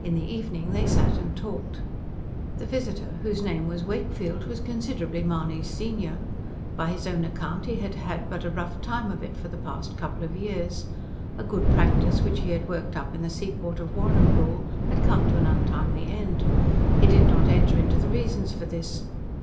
In the evening they sat and talked. The visitor, whose name was Wakefield, was considerably Mahony's senior. By his own account he had had but a rough time of it for the past couple of years. A good practice which he had worked up in the seaport of Warrnambool had come to an untimely end. He did not enter into the reasons for this.